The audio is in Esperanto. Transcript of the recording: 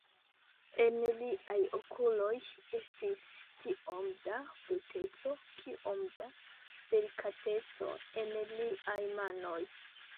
En liaj okuloj estis tiom da bruteco, kiom da delikateco en liaj manoj.